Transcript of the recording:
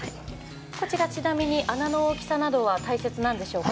ちなみに穴の大きさなどは大切なんでしょうか？